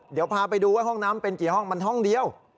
เดี๋ยวพาไปดูว่าห้องน้ำเป็นกี่ห้องมันห้องเดียว